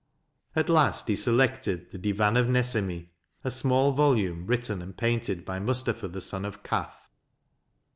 At last he selected the " Divan of Nesemi," a small volume, written and painted by Mustafa the son of Qaf.